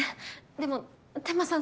でも天間さん